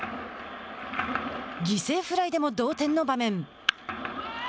犠牲フライでも同点の場面。